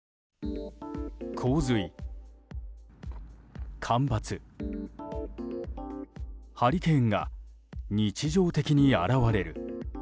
洪水、干ばつ、ハリケーンが日常的に現れる。